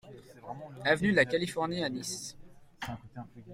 Avenue de la Californie à Nice